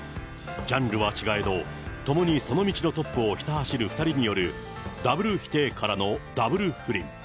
ジャンルは違えど、ともにその道のトップをひた走る、２人によるダブル否定からのダブル不倫。